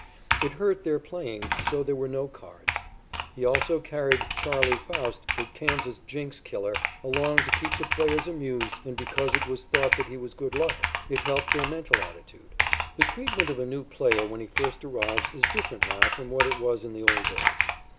It hurt their playing, so there were no cards. He also carried "Charley" Faust, the Kansas Jinx killer, along to keep the players amused and because it was thought that he was good luck. It helped their mental attitude. The treatment of a new player when he first arrives is different now from what it was in the old days.